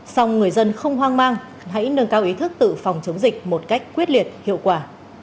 xong người dân không hoang mang hãy nâng cao ý thức tự phòng chống dịch một cách quyết liệt hiệu quả